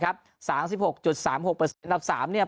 สามสี่หกจุดสามหกเปอร์เซ็นต์อันดับสามเนี้ย